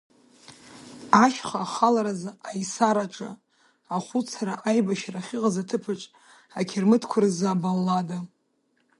Ашьха ахаларазы аисараҿы, Ахәыцра аибашьра ахьыҟаз аҭыԥаҿ, Ақьырмытқәа рзы абаллада.